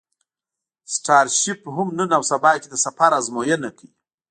سټارشیپ هم نن او سبا کې د سفر ازموینه کوي.